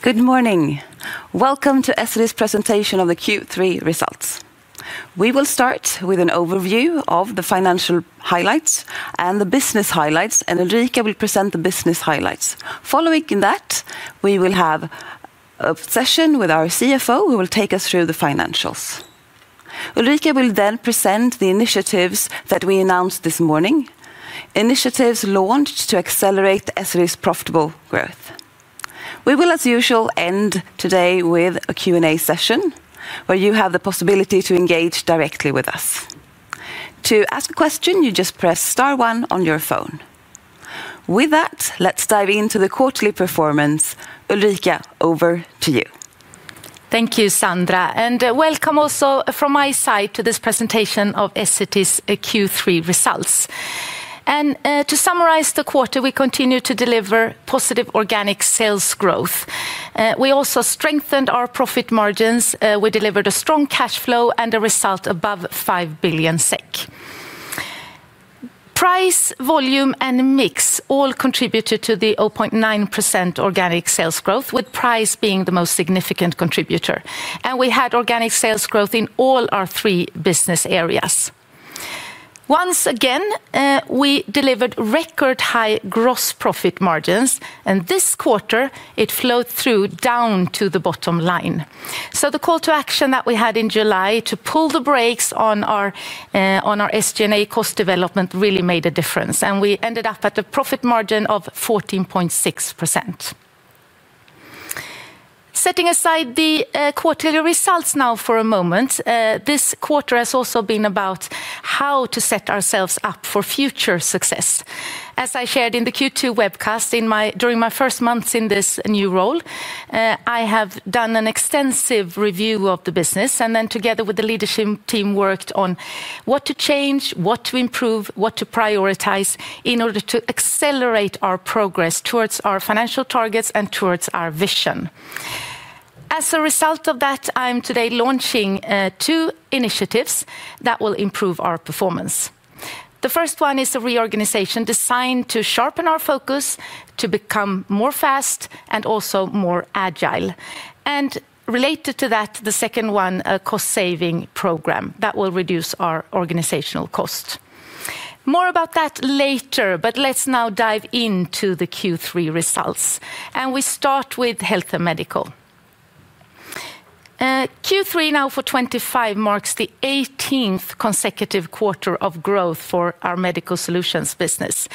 Good morning. Welcome to Essity's presentation of the Q3 results. We will start with an overview of the financial highlights and the business highlights, and Ulrika will present the business highlights. Following that, we will have a session with our CFO who will take us through the financials. Ulrika will then present the initiatives that we announced this morning, initiatives launched to accelerate Essity's profitable growth. We will, as usual, end today with a Q&A session where you have the possibility to engage directly with us. To ask a question, you just press star one on your phone. With that, let's dive into the quarterly performance. Ulrika, over to you. Thank you, Sandra, and welcome also from my side to this presentation of Essity's Q3 results. To summarize the quarter, we continue to deliver positive organic sales growth. We also strengthened our profit margins. We delivered a strong cash flow and a result above 5 billion SEK. Price, volume, and mix all contributed to the 0.9% organic sales growth, with price being the most significant contributor. We had organic sales growth in all our three business areas. Once again, we delivered record high gross profit margins, and this quarter it flowed through down to the bottom. The call to action that we had in July to pull the brakes on our SG&A cost development really made a difference, and we ended up at a profit margin of 14.6%. Setting aside the quarterly results now for a moment, this quarter has also been about how to set ourselves up for future success. As I shared in the Q2 webcast during my first months in this new role, I have done an extensive review of the business and then, together with the leadership team, worked on what to change, what to improve, what to prioritize in order to accelerate our progress towards our financial targets and towards our vision. As a result of that, I'm today launching two initiatives that will improve our performance. The first one is a reorganization designed to sharpen our focus to become more fast and also more agile. Related to that, the second one is a cost saving program that will reduce our organizational cost. More about that later, but let's now dive into the Q3 results, and we start with Health and Medical. Q3 now for 2025 marks the 18th consecutive quarter of growth for our medical solutions business.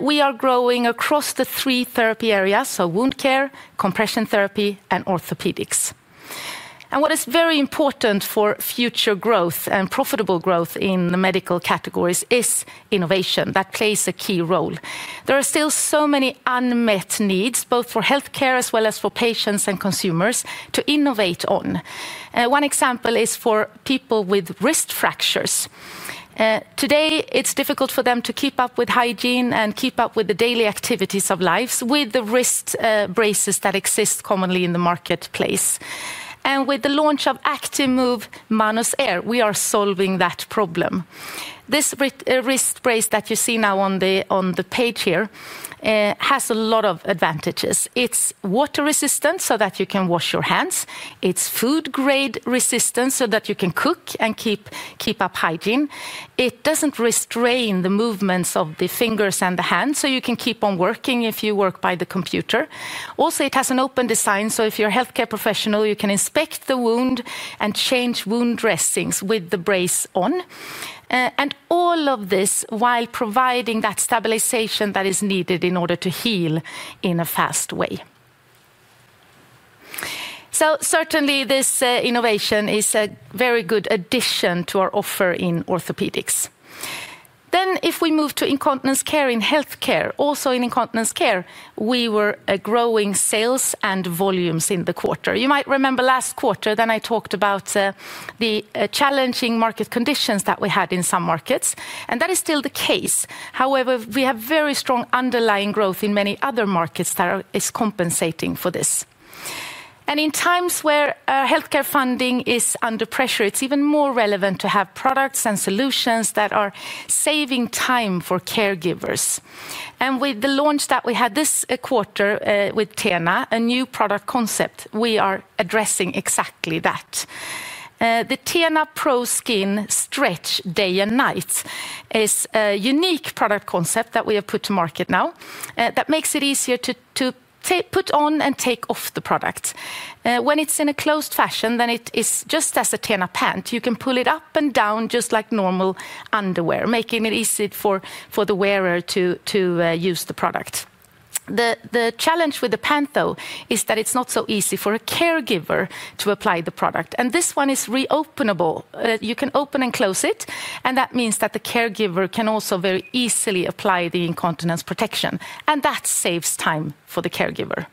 We are growing across the three therapy areas. Wound care, compression therapy, and orthopedics. What is very important for future growth and profitable growth in the medical categories is innovation that plays a key role. There are still so many unmet needs, both for health care as well as for patients and consumers to innovate on. One example is for people with wrist fractures. Today, it's difficult for them to keep up with hygiene and keep up with the daily activities of life with the wrist braces that exist commonly in the marketplace. With the launch of Actimove Manus Air, we are solving that problem. This wrist brace that you see now on the page here has a lot of advantages. It's water resistant so that you can wash your hands. It's food grade resistant so that you can cook and keep up hygiene. It doesn't restrain the movements of the fingers and the hands so you can keep on working if you work by the computer. Also, it has an open design, so if you're a healthcare professional, you can inspect the wound and change wound dressings with the brace on. All of this while providing that stabilization that is needed in order to heal in a fast way. Certainly this innovation is a very good addition to our offer in orthopedics. If we move to incontinence care, in health care, also in incontinence care, we were growing sales and volumes in the quarter. You might remember last quarter, I talked about the challenging market conditions that we had in some markets and that is still the case. However, we have very strong underlying growth in many other markets that is compensating for this. In times where healthcare funding is under pressure, it's even more relevant to have products and solutions that are saving time for caregivers. With the launch that we had this quarter with TENA, a new product concept, we are addressing exactly that. The TENA ProSkin Stretch Day and Night is a unique product concept that we have put to market now that makes it easier to put on and take off the product. When it's in a closed fashion, then it is just as a TENA pant. You can pull it up and down just like normal underwear, making it easy for the wearer to use the product. The challenge with the pant though, is that it's not so easy for a caregiver to apply the product. This one is reopenable. You can open and close it. That means that the caregiver can also very easily, easily apply the incontinence protection and that saves time for the caregiver.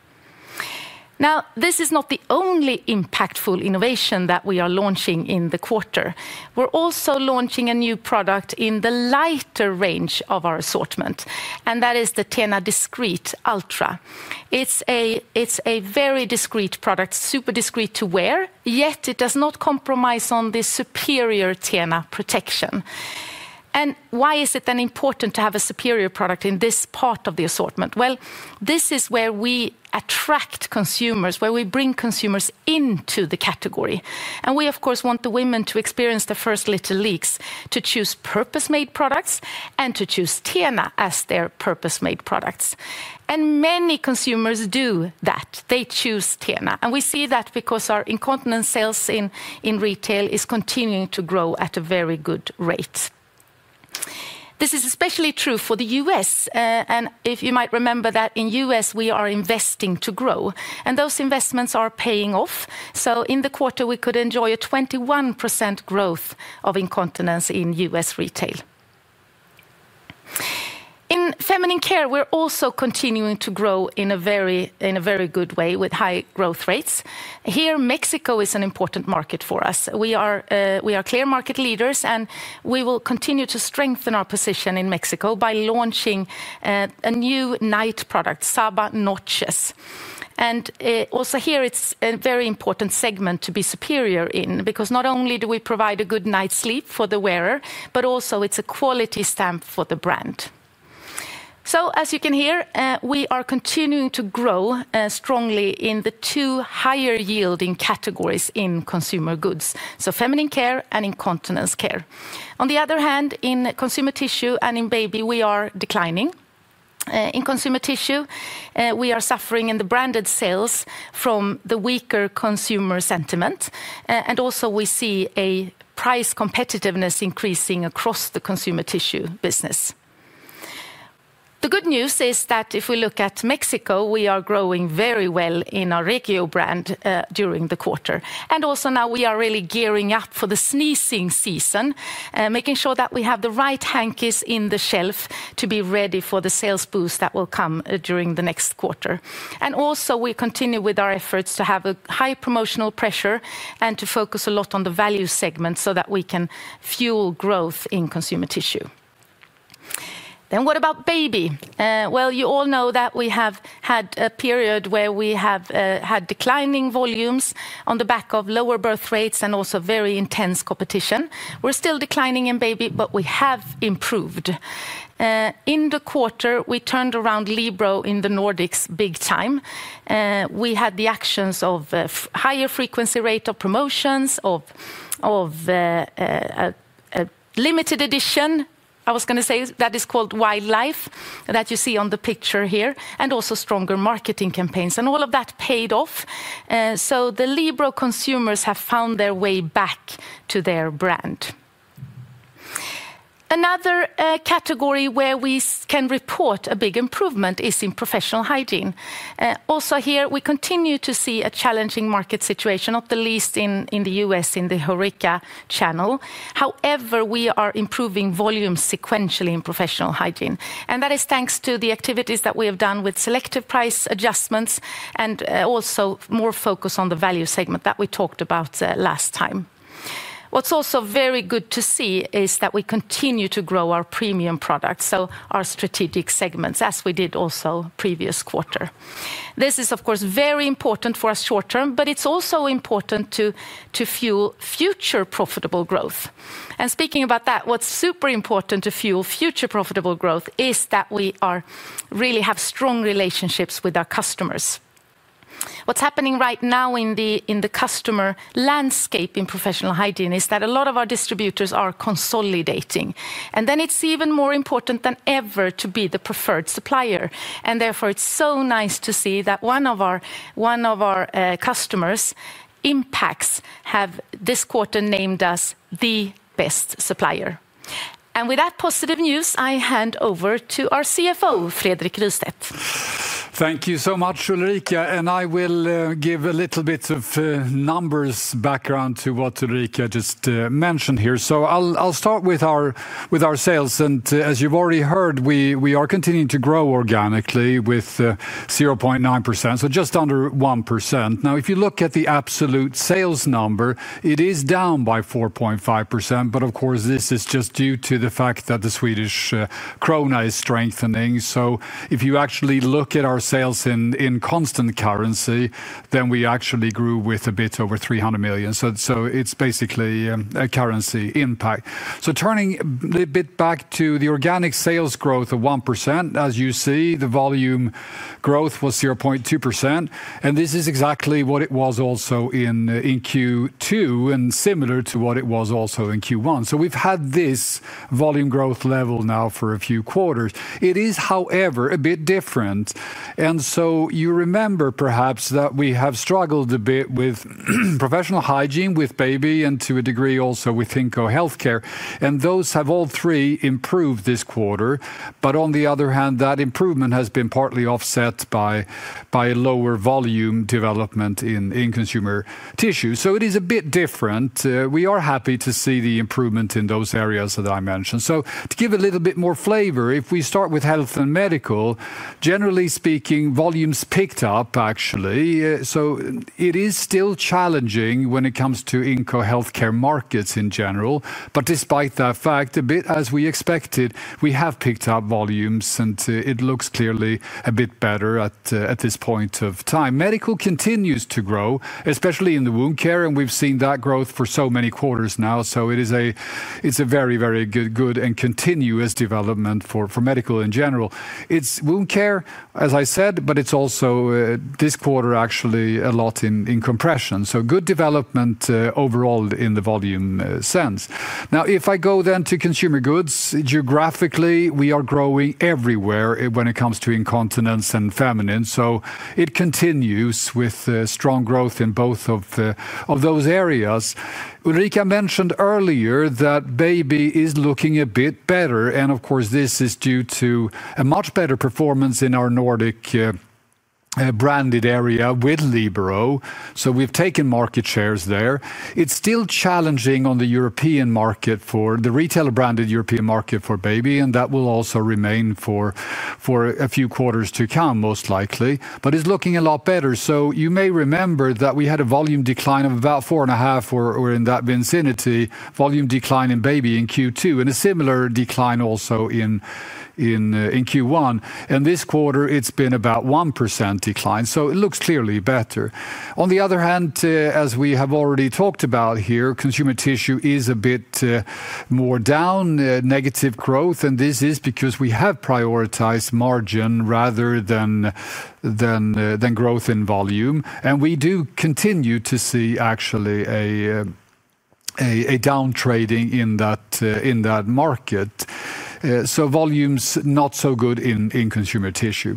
This is not the only impactful innovation that we are launching in the quarter. We're also launching a new product in the lighter range of our assortment and that is the TENA Discreet Ultra. It's a very discreet product, super discreet to wear, yet it does not compromise on the superior TENA protection. Why is it then important to have a superior product in this part of the assortment? This is where we attract consumers, where we bring consumers into the category. We of course want the women to experience the first little leaks, to choose purpose made products and to choose TENA as their purpose made products. Many consumers do that. They choose TENA. We see that because our incontinence sales in retail is continuing to grow at a very good rate. This is especially true for the U.S., and you might remember that in the U.S. we are investing to grow and those investments are paying off. In the quarter we could enjoy a 21% growth of incontinence in U.S. retail. In feminine care, we're also continuing to grow in a very good way with high growth rates here. Mexico is an important market for us. We are clear market leaders and we will continue to strengthen our position in Mexico by launching a new night product, Saba Noches. It is a very important segment to be superior in because not only do we provide a good night's sleep for the wearer, but also it's a quality stamp for the brand. As you can hear, we are continuing to grow strongly in the two higher yielding categories in consumer goods, feminine care and incontinence care. On the other hand, in consumer tissue and in baby, we are declining in consumer tissue. We are suffering in the branded sales from the weaker consumer sentiment. We also see price competitiveness increasing across the consumer tissue business. The good news is that if we look at Mexico, we are growing very well in our Regio brand during the quarter. Now we are really gearing up for the sneezing season, making sure that we have the right hankies on the shelf to be ready for the sales boost that will come during the next quarter. We continue with our efforts to have a high promotional pressure and to focus a lot on the value segment so that we can fuel growth in consumer tissue. What about baby? You all know that we have had a period where we have had declining volumes on the back of lower birth rates and also very intense competition. We're still declining in baby, but we have improved. In the quarter we turned around Libero in the Nordics big time. We had the actions of higher frequency rate of promotions of limited edition. I was going to say that is called wildlife that you see on the picture here. Also stronger marketing campaigns and all of that paid off. The Libero consumers have found their way back to their brand. Another category where we can report a big improvement is in professional hygiene. Here we continue to see a challenging market situation, not the least in the U.S. in the HORECA channel. However, we are improving volumes sequentially in professional hygiene. That is thanks to the activities that we have done with selective price adjustments, and also more focus on the value segment that we talked about last time. What's also very good to see is that we continue to grow our premium products, so our strategic segments, as we did also previous quarter. This is of course very important for us short term, but it's also important to fuel future profitable growth. Speaking about that, what's super important to fuel future profitable growth is that we really have strong relationships with our customers. What's happening right now in the customer landscape in professional hygiene is that a lot of our distributors are consolidating, and then it's even more important than ever to be the preferred supplier. Therefore, it's so nice to see that one of our customers, Impax, has this quarter named us the best supplier. With that positive news, I hand over to our CFO, Fredrik Rystedt. Thank you so much, Ulrika. I will give a little bit of numbers background to what Ulrika just mentioned here. I'll start with our sales and as you've already heard, we are continuing to grow organically with 0.9%, so just under 1%. If you look at the absolute sales number, down by 4.5%. Of course, this is just due to the fact that the Swedish Krona is strengthening. If you actually look at our sales in constant currency, then we actually grew with a bit over 300 million. It's basically a currency impact. Turning back to the organic sales growth of 1%, as you see, the volume growth was 0.2%. This is exactly what it was also in Q2 and similar to what it was also in Q1. We've had this volume growth level now for a few quarters. It is, however, a bit different. You remember perhaps that we have struggled a bit with Professional Hygiene, with Baby and to a degree also with inco Healthcare. Those have all three improved this quarter. That improvement has been partly offset by lower volume development in Consumer Tissue. It is a bit different. We are happy to see the improvement in those areas that I mentioned. To give a little bit more flavor, if we start with Health and Medical, generally speaking, volumes picked up actually. It is still challenging when it comes to inco healthcare markets in general. Despite that fact, a bit as we expected, we have picked up volumes and it looks clearly a bit better at this point of time. Medical continues to grow, especially in the wound care and we've seen that growth for so many quarters now. It's a very, very good and continuous development for Medical in general. It's wound care as I said, but it's also this quarter actually a lot in compression. Good development overall in the volume sense. If I go then to Consumer Goods, geographically we are growing everywhere when it comes to incontinence and feminine. It continues with strong growth in both of those areas. Ulrika mentioned earlier that Baby is looking a bit better and of course this is due to a much better performance in our Nordic branded area with Libero. We've taken market shares there. It's still challenging on the European market for the retailer branded European market for Baby and that will also remain for a few quarters to come most likely. It's looking a lot better. You may remember that we had a volume decline of about 4.5% or in that vicinity volume decline in baby in Q2 and a similar decline also in Q1. This quarter it's been about 1% decline, so it looks clearly better. On the other hand, as we have already talked about here, consumer tissue is a bit more down, negative growth, and this is because we have prioritized margin rather than growth in volume. We do continue to see actually a down trading in that market, so volumes not so good in consumer tissue.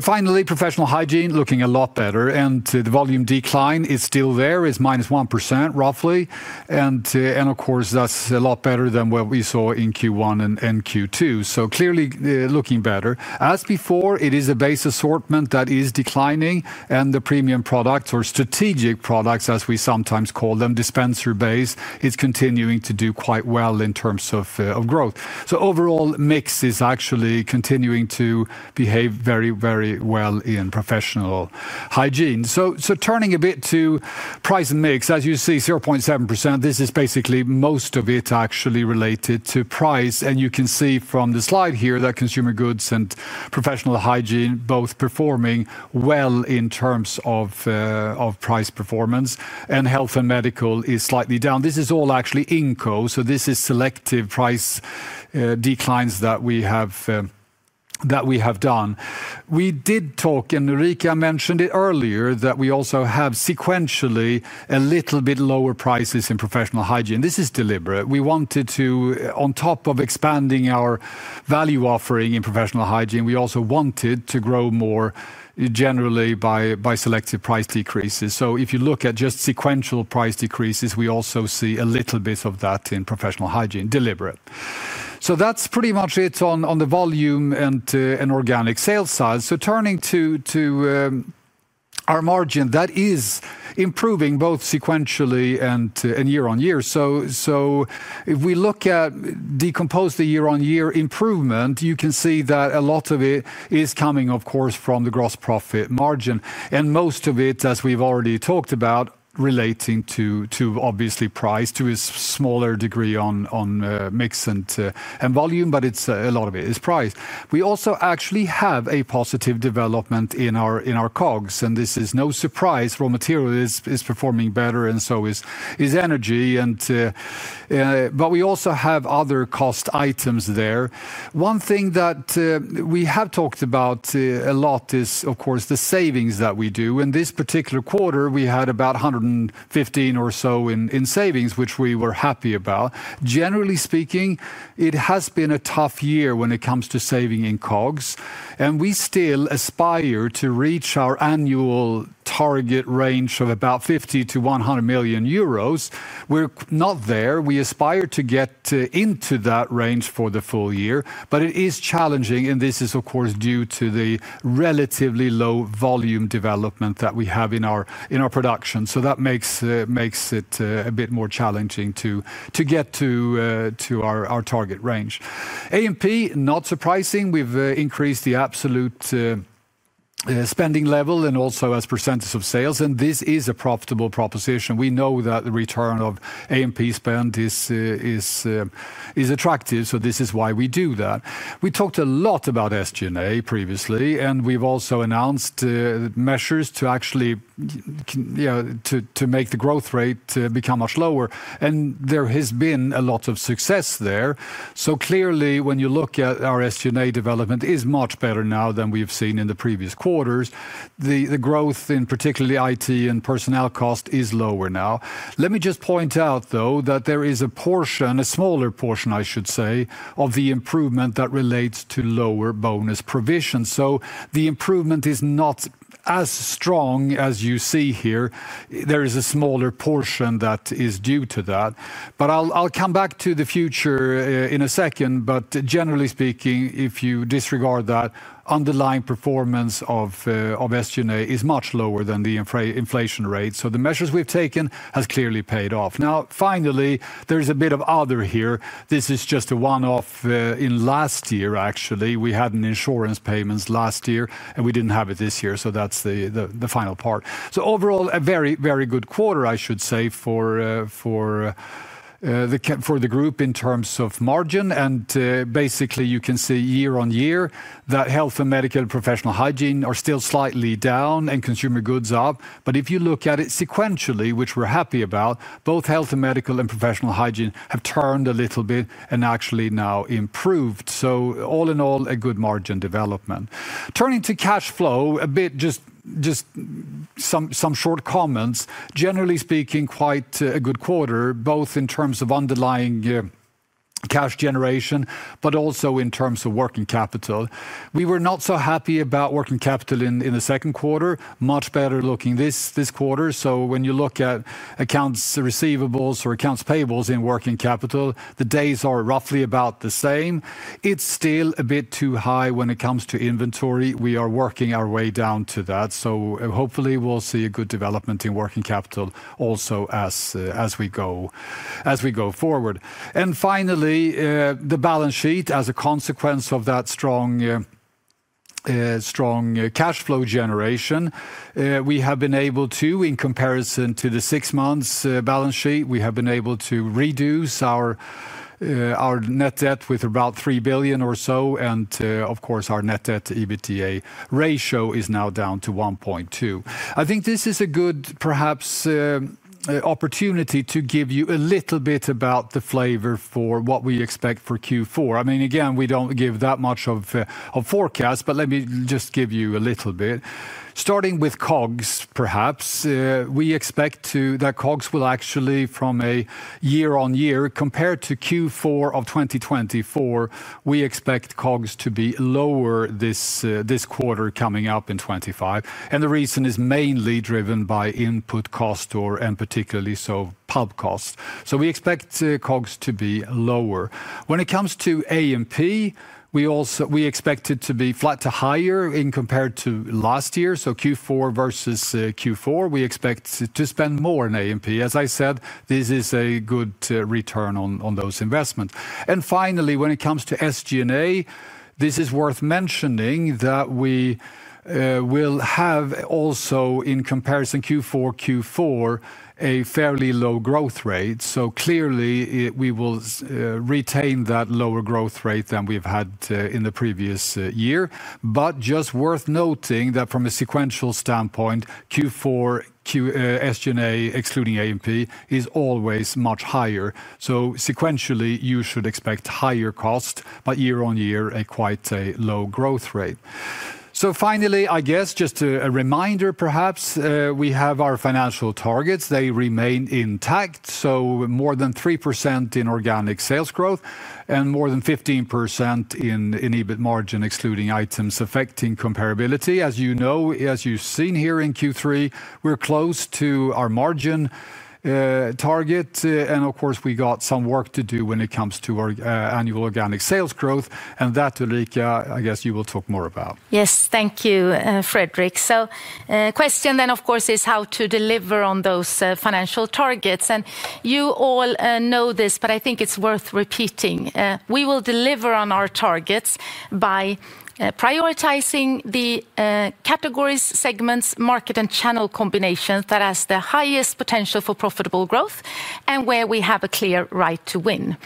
Finally, professional hygiene looking a lot better. The volume decline is still there, is -1% roughly, and of course that's a lot better than what we saw in Q1 and Q2, so clearly looking better. As before, it is a base assortment that is declining and the premium products or strategic products, as we sometimes call them, dispenser base, is continuing to do quite well in terms of growth. Overall mix is actually continuing to behave very, very well in professional hygiene. Turning a bit, and mix as you see, 0.7%. This is basically most of it actually related to price, and you can see from the slide here that consumer goods and professional hygiene both performing well in terms of price performance, and health and medical is slightly down. This is all actually inco. This is selective price declines that we have done. We did talk, and Rick, I mentioned it earlier, that we also have sequentially a little bit lower prices in professional hygiene. This is deliberate. We wanted to, on top of expanding our value offering in professional hygiene, also grow more generally by selective price decreases. If you look at just sequential price decreases, we also see a little bit of that in professional hygiene, deliberate. That's pretty much it on the volume and organic sales size. Turning to our margin that is improving both sequentially and year on year, we look at decompose the year on year improvement. You can see that a lot of it is coming, of course, from the gross profit margin, and most of it, as we've already talked about, relating to obviously price, to a smaller degree on mix and volume, but a lot of it is price. We also actually have a positive development in our COGS, and this is no surprise. Raw material is performing better and so is energy, but we also have other cost items. One thing that we have talked about a lot is, of course, the savings that we do. In this particular quarter we had about 115 million or so in savings, which we were happy about. Generally speaking, it has been a tough year when it comes to saving in COGS, and we still aspire to reach our annual target range of about 50 million to 100 million euros. We're not there. We aspire to get into that range for the full year, but it is challenging, and this is of course due to the relatively low volume development that we have in our production. That makes it a bit more challenging to get to our target range. A&P not surprising. We've increased the absolute spending level and also as a percentage of sales, and this is a profitable proposition. We know that the return of A&P spend is attractive, which is why we do that. We talked a lot about SG&A previously, and we've also announced measures to actually make the growth rate become much lower. There has been a lot of success there. Clearly, when you look at our SG&A development, it is much better now than we have seen in the previous quarters. The growth in, particularly, IT and personnel cost is lower now. Let me just point out, though, that there is a portion, a smaller portion I should say, of the improvement that relates to lower bonus provisions. The improvement is not, not as strong as you see here. There is a smaller portion that is due to that. I'll come back to the future in a second. Generally speaking, if you disregard that, underlying performance of SG&A is much lower than the inflation rate. The measures we've taken have clearly paid off. Finally, there's a bit of other here. This is just a one-off in last year actually, we had an insurance payment last year, and we didn't have it this year. That's the final part. Overall, a very, very good quarter, I should say, for the group in terms of margin. Basically, you can see year on year that Health and Medical and Professional Hygiene are still slightly down and Consumer Goods up. If you look at it sequentially, which we're happy about, both Health and Medical and Professional Hygiene have turned a little bit and actually now improved. All in all, a good margin development. Turning to cash flow a bit, just some short comments. Generally speaking, quite a good quarter both in terms of underlying cash generation but also in terms of working capital. We were not so happy about working capital in the second quarter. Much better looking this quarter. When you look at accounts receivables or accounts payables in working capital, the days are roughly about the same. It's still a bit too high when it comes to inventory. We are working our way down to that. Hopefully, we see a good development in working capital also as we go forward. Finally, the balance sheet as a consequence of that strong cash flow generation, we have been able to, in comparison to the six months balance sheet, reduce our net debt by about 3 billion or so. Of course, our net debt to EBITDA ratio is now down to 1.2. I think this is perhaps a good opportunity to give you a little bit about the flavor for what we expect for Q4. Again, we don't give that much of a forecast, but let me just give you a little bit. Starting with COGS perhaps we expect that COGS will actually, from a year-on-year perspective compared to Q4 of 2024, be lower this quarter coming up in 2025. The reason is mainly driven by input cost, and particularly so pulp costs. We expect COGS to be lower. When it comes to A&P, we also expect it to be flat to higher compared to last year. Q4 versus Q4, we expect to spend more in A&P. As I said, this is a good return on those investments. Finally, when it comes to SG&A, it is worth mentioning that we will have, also in comparison Q4 to Q4, a fairly low growth rate. Clearly, we will retain that lower growth rate than we have had in the previous year. Just worth noting that from a sequential standpoint, Q4 SG&A excluding A&P is always much higher. Sequentially, you should expect higher cost, but year-on-year, quite a low growth rate. Finally, just a reminder, we have our financial targets. They remain intact: more than 3% in organic sales growth and more than 15% in EBIT margin excluding items affecting comparability. As you know, as you've seen here in Q3, we're close to our margin target and of course we have some work to do when it comes to annual organic sales growth, and that Ulrika, I guess you will talk more about. Yes, thank you Fredrik. The question then of course is how to deliver on those financial targets. You all know this, but I think it's worth repeating. We will deliver on our targets by prioritizing the categories, segments, market and channel combinations that have the highest potential for profitable growth and where we have a clear right to win.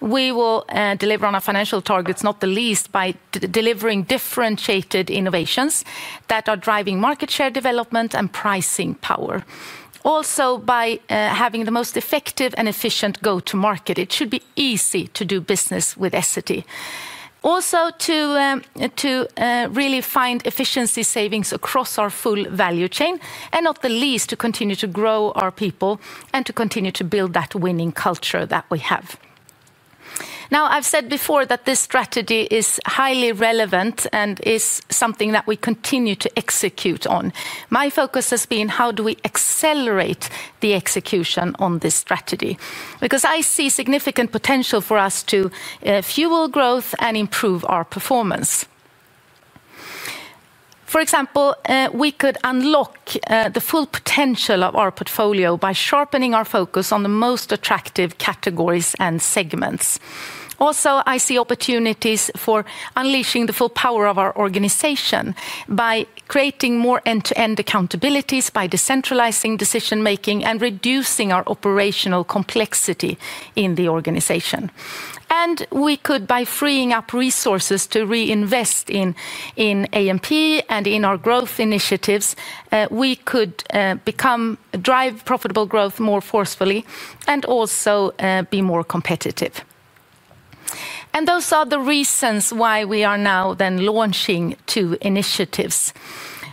We will deliver on our financial targets, not the least by delivering differentiated innovations that are driving market share, development and pricing power. Also by having the most effective and efficient go to market, it should be easy to do business with Essity. Also to really find efficiency savings across our full value chain and not the least to continue to grow our people and to continue to build that winning culture that we have. Now I've said before that this strategy is highly relevant and is something that we continue to execute on. My focus has been how do we accelerate the execution on this strategy because I see significant potential for us to fuel growth and improve our performance. For example, we could unlock the full potential of our portfolio by sharpening our focus on the most attractive categories and segments. Also I see opportunities for unleashing the full power of our organization by creating more end-to-end accountabilities by decentralizing decision making and reducing our operational complexity in the organization. By freeing up resources to reinvest in A&P and in our growth initiatives, we could drive profitable growth more forcefully and also be more competitive. Those are the reasons why we are now launching two initiatives.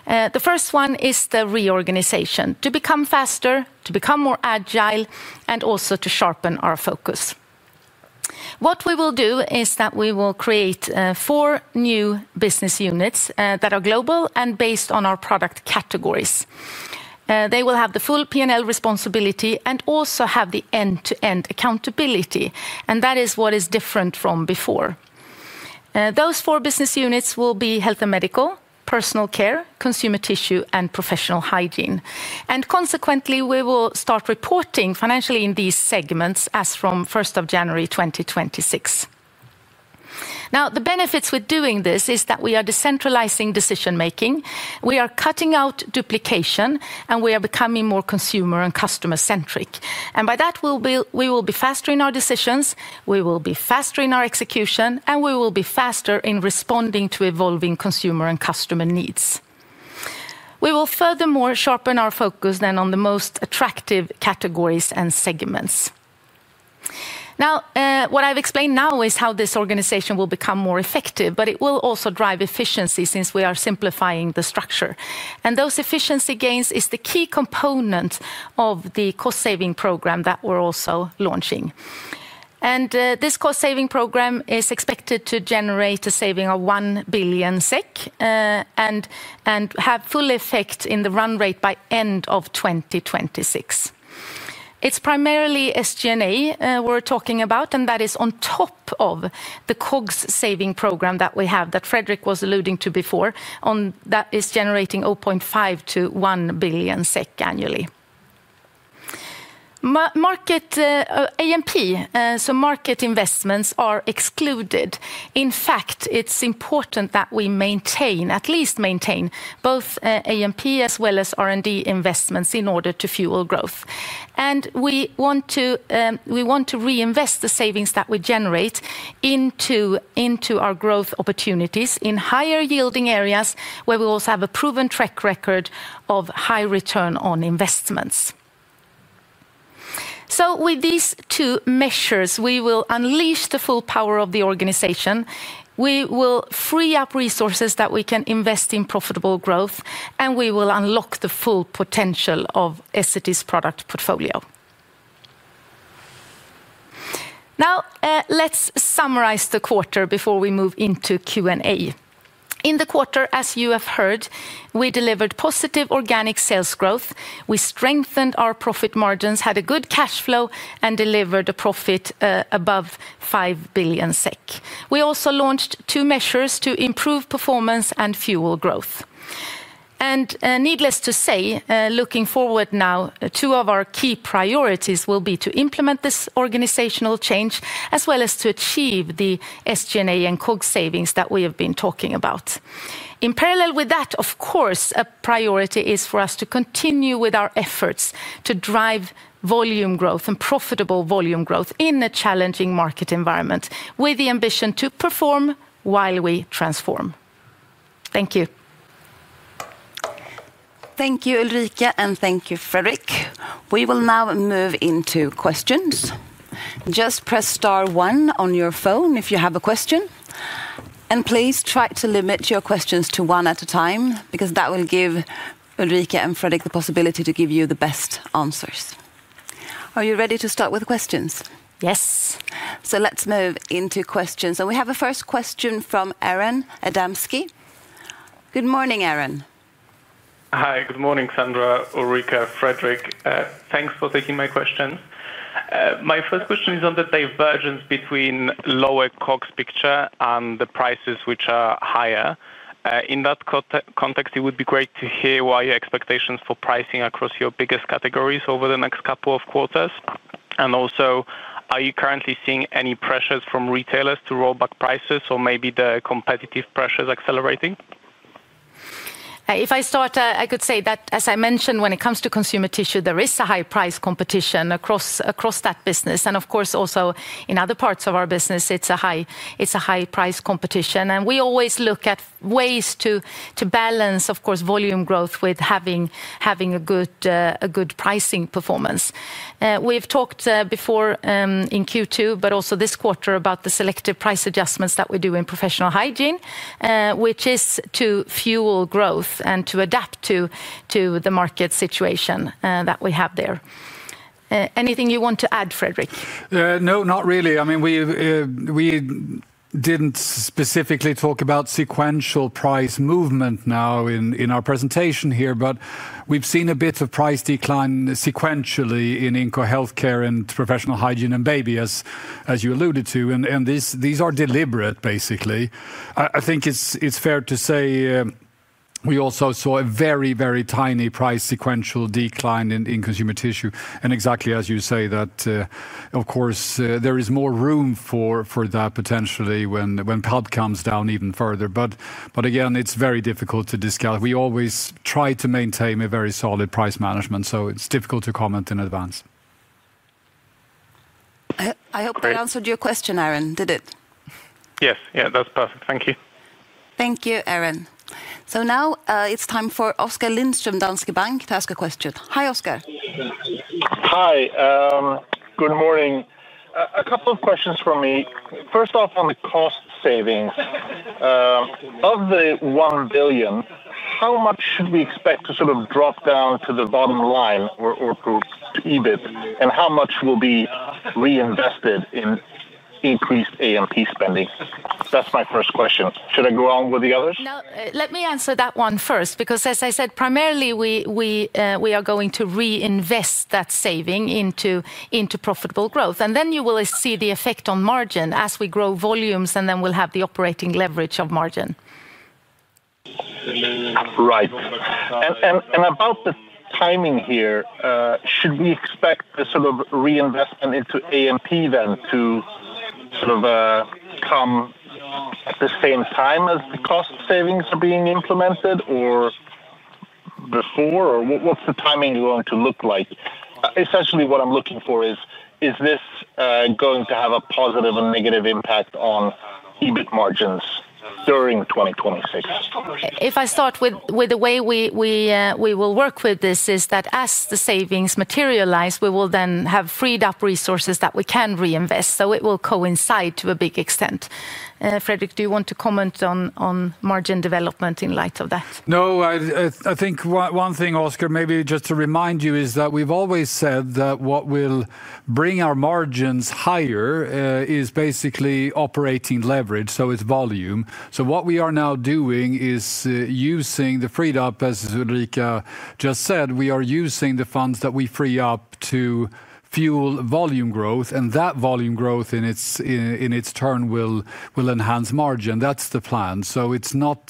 The first one is the reorganization to become faster, to become more agile and also to sharpen our focus. What we will do is that we will create four new business units that are global and based on our product categories. They will have the full P&L responsibility and also have the end-to-end accountability. That is what is different from before. Those four business units will be Health and Medical, Personal Care, Consumer Tissue and Professional Hygiene. Consequently, we will start reporting financially in these segments as from 1st of January 2026. The benefits with doing this are that we are decentralizing decision making, we are cutting out duplication and we are becoming more consumer and customer centric. By that, we will be faster in our decisions, we will be faster in our execution, and we will be faster in responding to evolving consumer and customer needs. We will furthermore sharpen our focus on the most attractive categories and segments. What I've explained now is how this organization will become more effective, but it will also drive efficiency since we are simplifying the structure. Those efficiency gains are the key component of the cost saving program that we're also launching. This cost saving program is expected to generate a saving of 1 billion SEK and have full effect in the run rate by end of 2026. It's primarily SG&A we're talking about, and that is on top of the COGS saving program that Fredrik was alluding to before. That is generating 0.5 billion to 1 billion SEK annually. Market A&P investments are excluded. In fact, it's important that we at least maintain both A&P as well as R&D investments in order to fuel growth. We want to reinvest the savings that we generate into our growth opportunities in higher yielding areas where we also have a proven track record of high return on investments. With these two measures, we will unleash the full power of the organization, we will free up resources that we can invest in profitable growth, and we will unlock the full potential of Essity's product portfolio. Now let's summarize the quarter before we move into Q&A. In the quarter, as you have heard, we delivered positive organic sales growth. We strengthened our profit margins, had a good cash flow, and delivered a profit above 5 billion SEK. We also launched two measures to improve performance and fuel growth. Needless to say, looking forward, two of our key priorities will be to implement this organizational change as well as to achieve the SG&A and COGS savings that we have been talking about. In parallel with that, of course, a priority is for us to continue with our efforts to drive volume growth and profitable volume growth in a challenging market environment with the ambition to perform while we transform. Thank you. Thank you, Ulrika. Thank you, Fredrik. We will now move into questions. Press star one on your phone if you have a question. Please try to limit your questions to one at a time because that will give Ulrika and Fredrik the possibility to give you the best answers. Are you ready to start with questions? Yes. Let's move into questions. We have a first question from Aron Adamski. Good morning, Aron. Hi, good morning, Sandra, Ulrika, Fredrik. Thanks for taking my question. My first question is on the divergence between lower COGS picture and the prices, which are higher. In that context, it would be great to hear why your expectations for pricing across your biggest categories over the next couple of quarters. Also, are you currently seeing any pressures from retailers to roll back prices or maybe the competitive pressures accelerating? If I start, I could say that as I mentioned, when it comes to consumer tissue, there is a high price competition across that business, and of course also in other parts of our business it's a high price competition. We always look at ways to balance, of course, volume growth with having a good pricing performance. We've talked before in Q2, but also this quarter about the selective price adjustments that we do in professional hygiene, which is to fuel growth and to adapt to the market situation that we have there. Anything you want to add, Fredrik? No, not really. I mean we didn't specifically talk about sequential price movement now in our presentation here, but we've seen a bit of price decline sequentially in inco Healthcare and Professional Hygiene and Baby, as you alluded to. These are deliberate basically, I think it's fair to say we also saw a very, very tiny price sequential decline in Consumer Tissue. Exactly as you say, of course there is more room for that potentially when pulp comes down even further. Again, it's very difficult to discount. We always try to maintain a very solid price management, so it's difficult to comment in advance. I hope that answered your question, Aron. Did it? Yes, that's perfect. Thank you. Thank you, Aron. Now it's time for Oskar Lindström, Danske Bank to ask a question. Hi, Oscar. Hi, good morning. A couple of questions for me. First off, on the cost savings. Of the $1 billion, how much should we expect to sort of drop down to the bottom line or EBIT, and how much will be reinvested in increased A&P spending? That's my first question. Should I go on with the others? Let me answer that one first because as I said, primarily we are going to reinvest that saving into profitable growth, and then you will see the effect on margin as we grow volumes, and then we'll have the operating leverage of margin. Right. About the timing here, should we expect a sort of reinvestment into A&P to sort of come at the same time as the cost savings are being implemented or before, or what's the timing going to look like? Essentially what I'm looking for is, is this going to have a positive or negative impact on EBIT margins during 2026? If I start with the way we will work with this is that as the savings materialize, we will then have freed up resources that we can reinvest. It will coincide to some extent. Fredrik, do you want to comment on margin development in light of that? No. I think one thing, Oscar, maybe just to remind you is that we've always said that what will bring our margins higher is basically operating leverage. It's volume. What we are now doing is using the freed up, as Ulrika just said, we are using the funds that we free up to fuel volume growth and that volume growth in its turn will enhance margin. That's the plan. It's not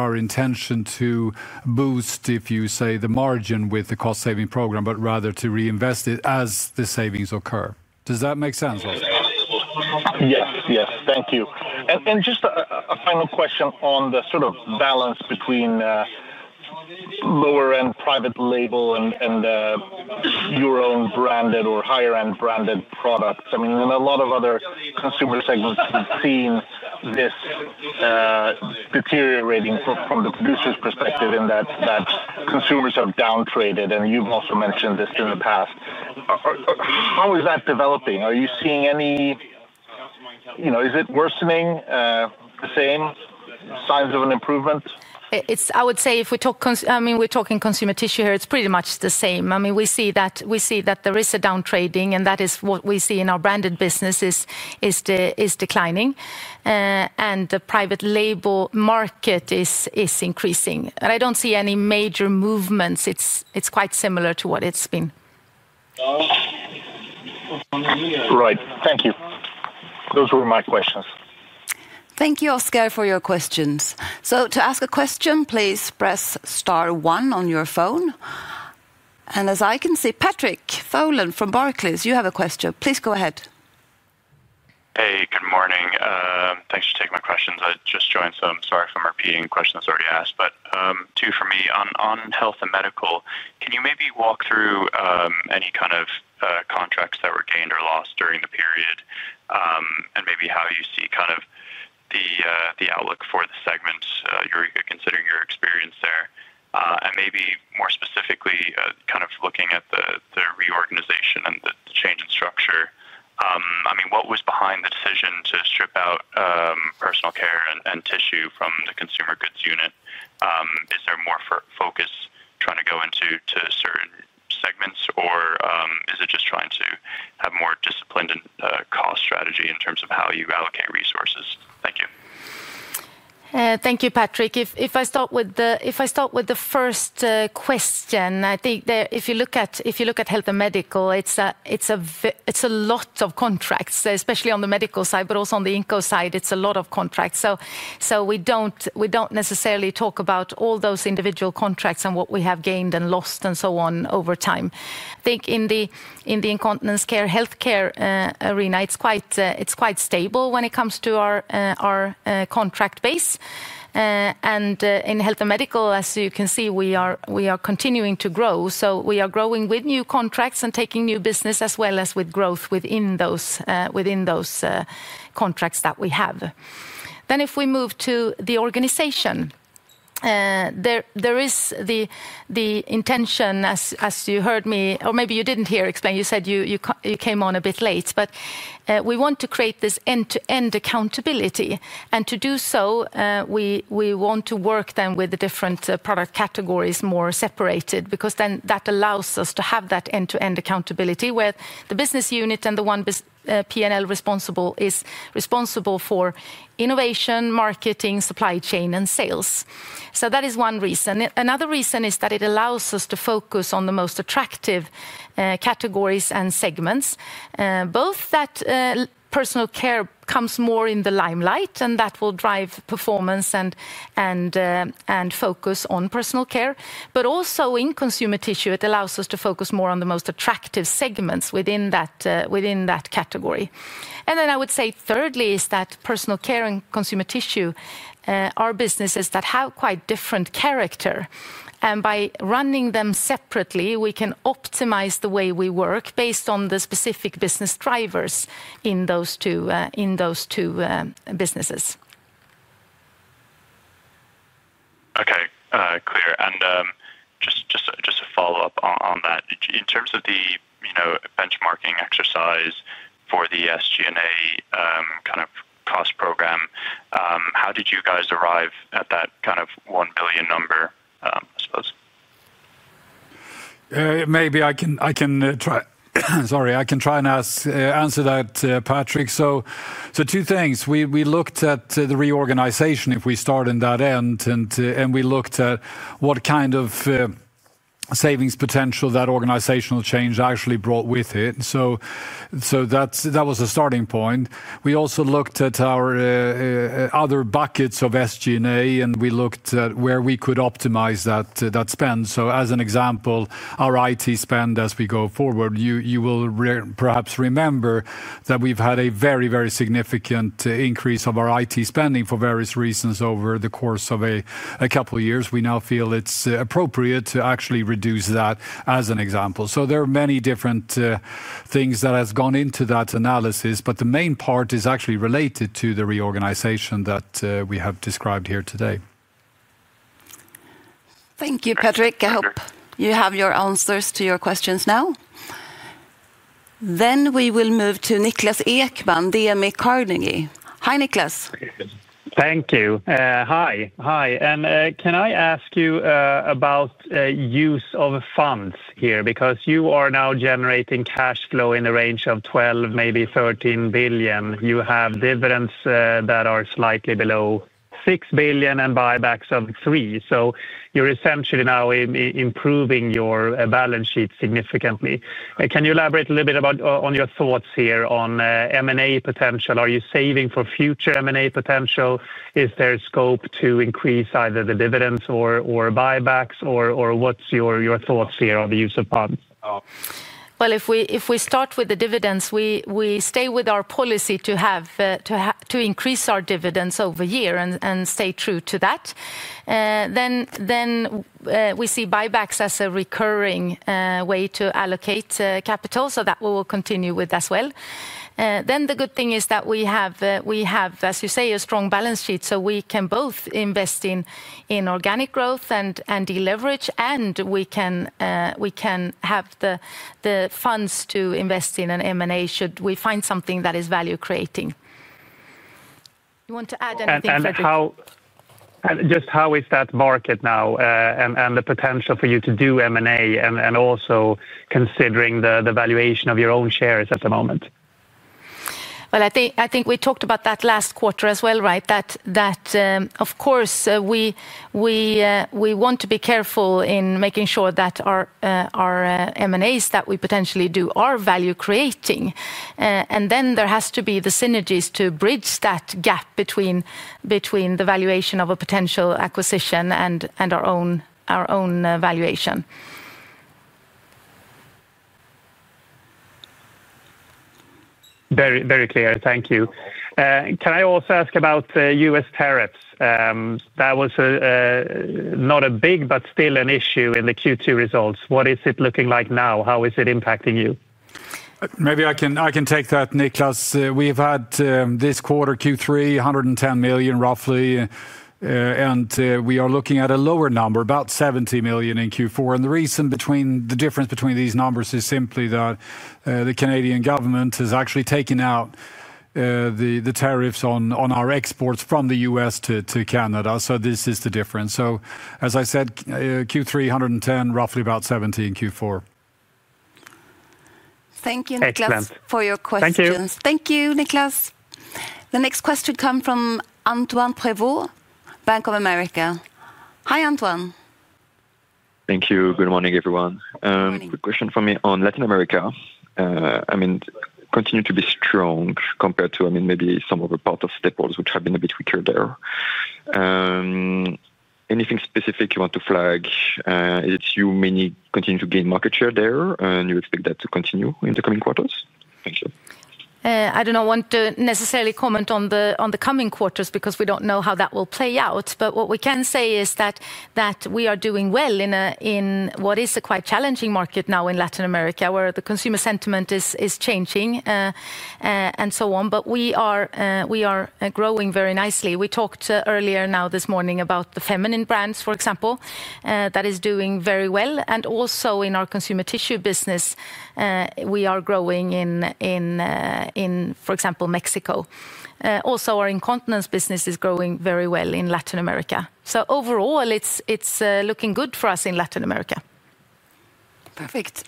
our intention to boost, if you say, the margin with the cost saving program, but rather to reinvest it as the savings occur. Does that make sense? Yes. Thank you. Just a final question on the sort of balance between lower end private label and your own branded or higher end branded products. In a lot of other consumer segments, we've seen this deteriorating from the producers' perspective in that consumers have down traded. You've also mentioned this in the past. How is that developing? Are you seeing any, you know, is it worsening or the same signs of an improvement? I would say if we talk, I mean we're talking consumer tissue here, it's pretty much the same. We see that there is a down trading and that is what we see in our branded businesses is declining and the private label market is increasing. I don't see any major movements. It's quite similar to what it's been. Right, thank you. Those were my questions. Thank you, Oscar, for your questions. To ask a question, please press star one on your phone. As I can see, Patrick Folan from Barclays, you have a question. Please go ahead. Hey, good morning. Thanks for taking my questions. I just joined, so I'm sorry if I'm repeating a question that's already asked. Two for me on Health and Medical. Can you maybe walk through any kind of contracts that were gained or lost during the period and maybe how you see the outlook for the segment HORECA, considering your experience there and more specifically looking at the reorganization and the change in structure, I mean what was behind the decision to strip out Personal Care and Tissue from the Consumer Goods unit? Is there more focus trying to go into certain segments or is it just trying to have more disciplined cost strategy in terms of how you allocate resources? Thank you. Thank you. Patrick, if I start with the first question, I think if you look at Health and Medical, it's a lot of contracts, especially on the medical side, but also on the inco side it's a lot of contracts. We don't necessarily talk about all those individual contracts and what we have gained and lost and so on over time. I think in the incontinence care healthcare arena, it's quite stable when it comes to our contract base. In Health and Medical, as you can see, we are continuing to grow. We are growing with new contracts and taking new business as well as with growth within those contracts that we have. If we move to the organization, there is the intention, as you heard me, or maybe you didn't hear, explain, you said you came on a bit late. We want to create this end-to-end accountability. To do so we want to work with the different product categories more separated because that allows us to have that end-to-end accountability where the Business Unit and the P&L is responsible for innovation, marketing, supply chain, and sales. That is one reason. Another reason is that it allows us to focus on the most attractive categories and segments. Both that personal care comes more in the limelight and that will drive performance and focus on personal care. Also, in consumer tissue, it allows us to focus more on the most attractive segments within that category. I would say thirdly is that personal care and consumer tissue are businesses that have quite different character. By running them separately, we can optimize the way we work based on the specific business drivers in those two businesses. Okay, clear. Just a follow up on that. In terms of the benchmarking exercise for the SG&A kind of cost program, how did you guys arrive at that kind of $1 billion number? Sorry, I can try and answer that, Patrick. Two things. We looked at the reorganization, if we start in that end, and we looked at what kind of savings potential that organizational change actually brought with it. That was a starting point. We also looked at our other buckets of SG&A and we looked at where we could optimize that spend. As an example, our IT spend as we go forward, you will perhaps remember that we've had a very, very significant increase of our IT spending for various reasons over the course of a couple of years. We now feel it's appropriate to actually reduce as an example. There are many different things that have gone into that analysis, but the main part is actually related to the reorganization that we have described here today. Thank you, Patrick. I hope you have your answers to your questions. Now we will move to Niklas Ekman, DNB Carnegie. Hi, Niklas. Thank you. Can I ask you about use of funds here? You are now generating cash flow in the range of 12 billion, maybe 13 billion. You have dividends that are slightly below 6 billion and buybacks of 3 billion. You're essentially now improving your balance sheet significantly. Can you elaborate a little bit on your thoughts here on M&A potential? Are you saving for future M&A potential? Is there scope to increase either the dividends or buybacks, or what are your thoughts here on the use of bonds? If we start with the dividends, we stay with our policy to increase our dividends over year and stay true to that. We see buybacks as a recurring way to allocate capital, so that we will continue with as well. The good thing is that we have, as you say, a strong balance sheet. We can both invest in organic growth and deleverage, and we can have the funds to invest in an M&A should we find something that is value creating. You want to add anything. Just how is that market now, and the potential for you to do M&A, also considering the valuation of your own shares at the moment? I think we talked about that last quarter as well. Of course, we want to be careful in making sure that our M&As that we potentially do are value creating. There has to be the synergies to bridge that gap between the valuation of a potential acquisition and our own valuation. Very clear. Thank you. Can I also ask about U.S. tariffs? That was not a big, but still an issue in the Q2 results. What is it looking like now? How is it impacting you? I can take that. Niklas, we have had this quarter, Q3, $110 million roughly, and we are looking at a lower number, about $70 million in Q4. The reason for the difference between these numbers is simply that the Canadian government has actually taken out the tariffs on our exports from the U.S. to Canada. This is the difference. As I said, Q3, $110 million, roughly about $70 million in Q4. Thank you, Niklas, for your questions. Thank you, Niklas. The next question comes from Antoine Prevot, Bank of America. Hi, Antoine. Thank you. Good morning everyone. Quick question for me on Latin America. I mean, continue to be strong compared to maybe some of the parts or deposits which have been a bit weaker there. Anything specific you want to flag, it's you meaning continue to gain market share there and you expect that to continue in the coming quarters. Thank you. I do not want to necessarily comment on the coming quarters because we don't know how that will play out. What we can say is that we are doing well in what is a quite challenging market now in Latin America where the consumer sentiment is changing and so on. We are growing very nicely. We talked earlier this morning about the feminine brands, for example, that is doing very well. Also in our consumer tissue business, we are growing in, for example, Mexico. Our incontinence business is growing very well in Latin America. Overall, it's looking good for us in Latin America. Perfect.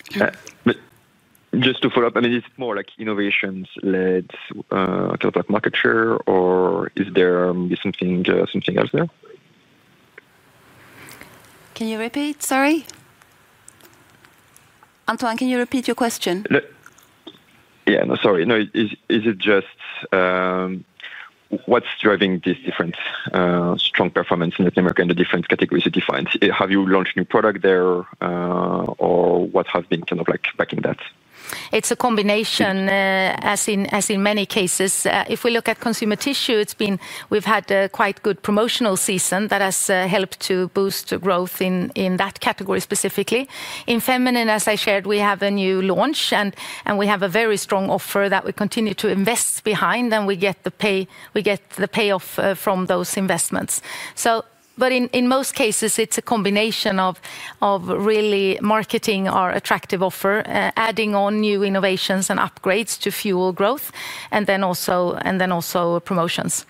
Just to follow up, I mean, is it more like innovations led to market share, or is there something else there? Sorry, Antoine, can you repeat your question? Sorry. Is it just what's driving this different strong performance in Latin America and the different categories it defines? Have you launched new product there or what has been kind of like expecting that? It's a combination, as in many cases. If we look at consumer tissue, we've had quite good promotional season that has helped to boost growth in that category specifically. In feminine, as I shared, we have a new launch and we have a very strong offer that we continue to invest behind and we get the payoff from those investments. In most cases, it's a combination of really marketing our attractive offer, adding on new innovations and upgrades to fuel growth, and then also promotions.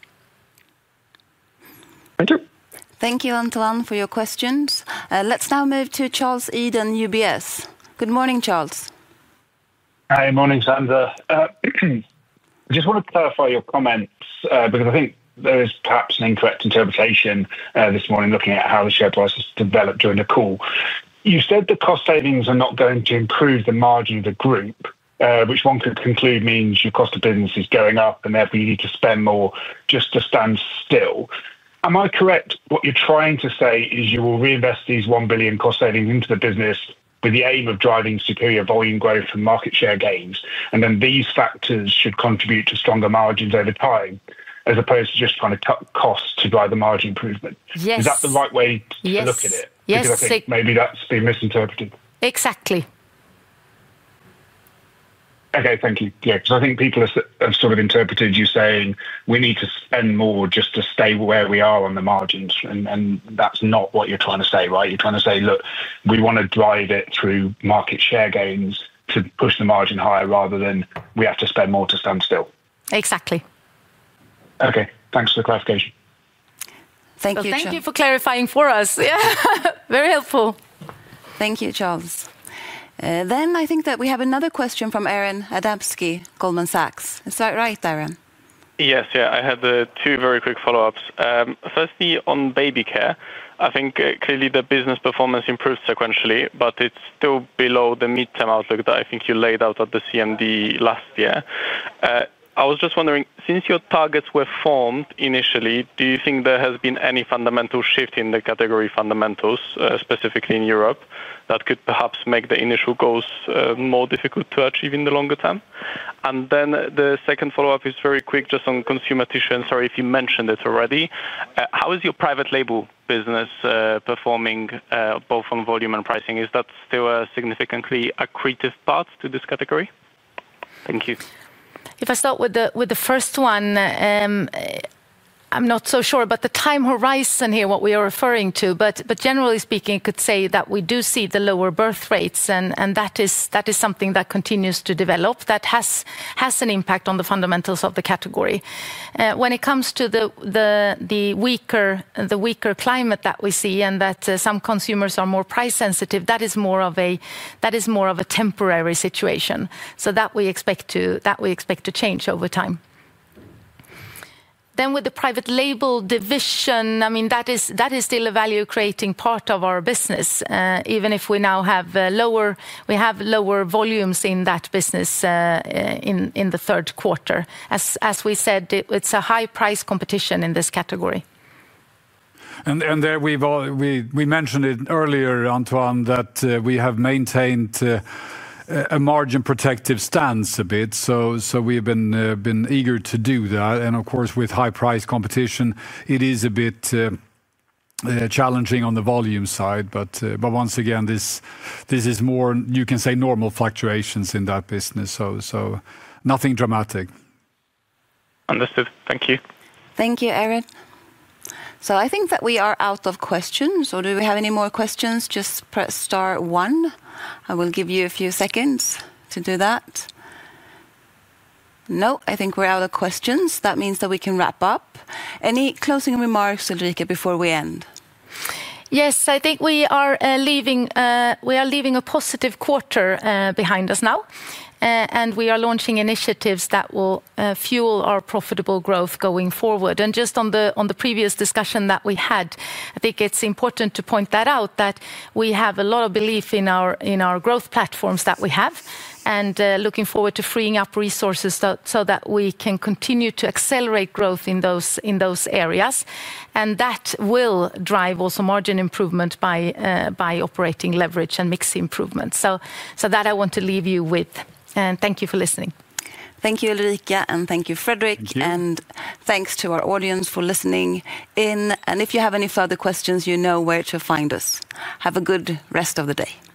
Thank you, Antoine, for your questions. Let's now move to Charles Eden, UBS. Good morning, Charles. Hi, morning, Sandra. I just want to clarify your comments because I think there is perhaps an incorrect interpretation this morning looking at how the share price has developed during the call. You said the cost savings are not going to improve the margin of the group, which one could conclude means your cost of business is going up and that we need to spend more just to stand still. Am I correct? What you're trying to say is you will reinvest these $1 billion cost savings into the business with the aim of driving superior volume growth and market share gains, and then these factors should contribute to stronger margins over time as opposed to just kind of cut costs to drive the margin improvement. Is that the right way to look at it? I think maybe that's been misinterpreted. Exactly. Okay, thank you. I think people have sort of interpreted you saying we need to spend more just to stay where we are on the margins, and that's not what you're trying to say, right? You're trying to say look, we want to drive it through market share gains to push the margin higher rather than we have to spend more to stand still. Exactly. Okay, thanks for the clarification. Thank you. Thank you for clarifying for us. Very helpful. Thank you, Charles. I think that we have another question from Aron Adamski, Goldman Sachs. Is that right, Aron? Yes. I had the two very quick follow ups. Firstly on baby care. I think clearly the business performance improved sequentially, but it's still below the midterm outlook that I think you laid out at the CMD last year. I was just wondering since your targets were formed initially, do you think there has been any fundamental shift in the category fundamentals, specifically in Europe, that could perhaps make the initial goals more difficult to achieve in the longer term? The second follow up is very quick, just on consumer tissue. Sorry if you mentioned it already, how is your private label business performing both on volume and pricing? Is that still a significantly accretive part to this category? Thank you. If I start with the first one, I'm not so sure about the time horizon here, what we are referring to. Generally speaking, I could say that we do see the lower birth rates, and that is something that continues to develop. That has an impact on the fundamentals of the category when it comes to the weaker climate that we see and that some consumers are more price sensitive. That is more of a temporary situation, so we expect that to change over time. With the private label division, I mean that is still a value creating part of our business even if we now have lower volumes in that business in the third quarter. As we said, it's a high price competition in this category. We mentioned it earlier, Antoine, that we have maintained a margin protective stance a bit. We have been eager to do that. Of course, with high price competition it is a bit challenging on the volume side. Once again, this is more, you can say, normal fluctuations in that business. Nothing dramatic. Understood. Thank you. Thank you, Aron. I think that we are out of questions, or do we have any more questions? Just press Star one. I will give you a few seconds to do that. No, I think we're out of questions. That means that we can wrap up. Any closing remarks, Ulrika, before we end? Yes, I think we are leaving a positive quarter behind us now, and we are launching initiatives that will fuel our profitable growth going forward. On the previous discussion that we had, I think it's important to point that out that we have a lot of belief in our growth platforms that we have and looking forward to freeing up resources so that we can continue to accelerate growth in those areas. That will drive also margin improvement by operating leverage and mix improvement. That I want to leave you with, and thank you for listening. Thank you, Ulrika, and thank you, Fredrik. Thank you to our audience for listening in. If you have any further questions, you know where to find us. Have a good rest of the day. Bye.